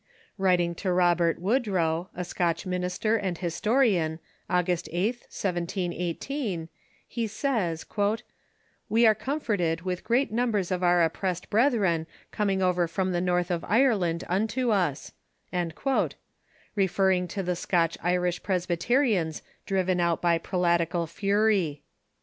Writing to Robert Wood row, a Scotch minister and historian, August 8th, 1718, he says: " We are comforted with great numbers of our oppressed brethren coming over from the North of Ireland unto us," re ferring to the Scotch Irish Presbyterians driven out by pre latical fury.